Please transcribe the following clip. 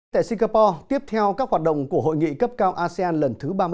tại singapore tiếp theo các hoạt động của hội nghị cấp cao asean lần thứ ba mươi